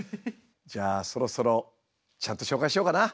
じゃあそろそろちゃんと紹介しようかな？